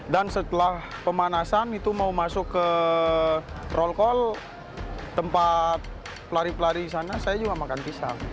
dan setelah pemanasan itu mau masuk ke roll call tempat pelari pelari di sana saya juga makan pisang